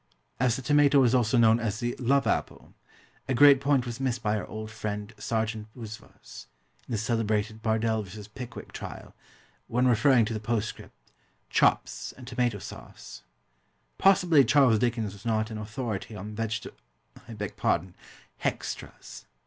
As the tomato is also known as the "love apple," a great point was missed by our old friend Sergeant Buzfuz, in the celebrated Bardell v. Pickwick trial, when referring to the postscript, "chops, and tomato sauce." Possibly Charles Dickens was not an authority on veget I beg pardon, "hextras."